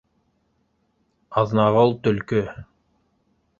Аҙнағол — төлкө